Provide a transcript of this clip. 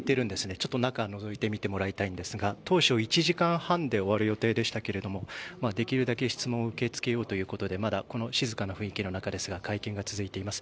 ちょっと中をのぞいてみてもらいたいんですが当初１時間半で終わる予定でしたができるだけ質問を受け付けようということでまだこの静かな雰囲気の中ですが会見が続いています。